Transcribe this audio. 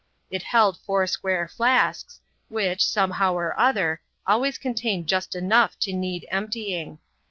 It held four square flasks, which, somehow Or other, always contained just enough to need emptying.